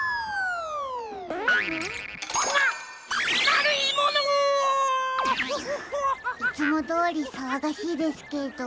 まるいもの！いつもどおりさわがしいですけど。